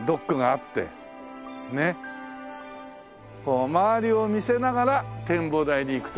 こう周りを見せながら展望台に行くという。